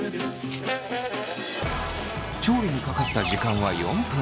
調理にかかった時間は４分。